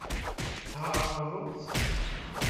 Tεerḍeḍ-t?